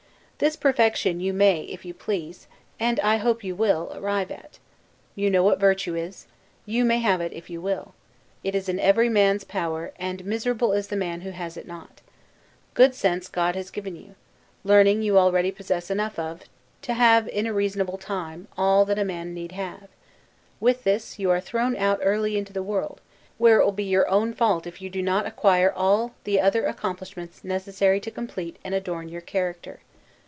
This perfection you may, if you please, and I hope you will, arrive at. You know what virtue is: you may have it if you will; it is in every man's power; and miserable is the man who has it not. Good sense God has given you. Learning you already possess enough of, to have, in a reasonable time, all that a man need have. With this, you are thrown out early into the world, where it will be your own fault if you do not acquire all, the other accomplishments necessary to complete and adorn your character.